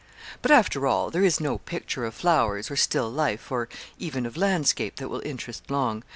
'But, after all, there is no picture of flowers, or still life, or even of landscape, that will interest long.